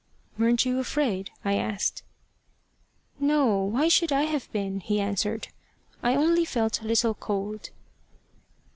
"Weren't you afraid?" I asked. "No. Why should I have been?" he answered. "I only felt a little cold."